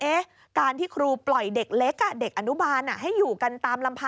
การที่ครูปล่อยเด็กเล็กเด็กอนุบาลให้อยู่กันตามลำพัง